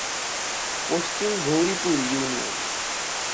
Paschim Gouripur union.